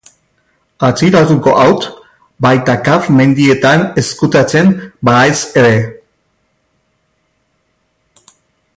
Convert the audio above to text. Atxilo hartuko haut, baita Kaf mendietan ezkutatzen bahaiz ere.